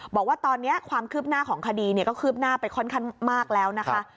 บอกว่าตอนนี้ความคืบหน้าของคดีก็คืบหน้าไปค่อนข้างมากแล้วนะคะ